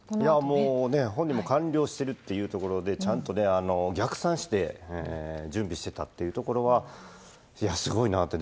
もうね、本人も完了してるというところで、ちゃんと逆算して準備してたっていうところは、いや、すごいなって。